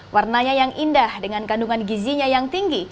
warnanya yang indah dengan kandungan gizinya yang tinggi